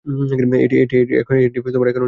এটি এখনও নির্মাণাধীন রয়েছে।